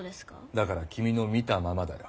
だから君の見たままだよ。